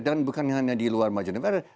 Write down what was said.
dan bukan hanya diluar margin of error